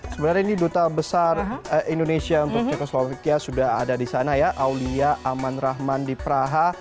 sebenarnya ini duta besar indonesia untuk ceko slowekia sudah ada di sana ya aulia aman rahman di praha